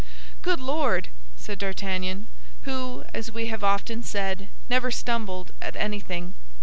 "Good Lord!" said D'Artagnan, who, as we have often said, never stumbled at anything.